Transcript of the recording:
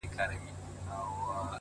که تریخ دی زما دی ـ